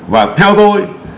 và theo tôi